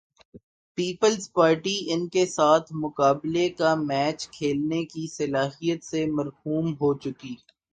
Peoples Party ان کے ساتھ مقابلے کا میچ کھیلنے کی صلاحیت سے محروم ہو چکی۔